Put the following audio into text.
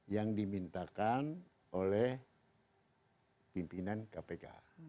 yang dimintakan oleh pimpinan kpk